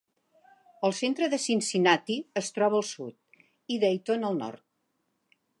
El centre de Cincinnati es troba al sud, i Dayton al nord.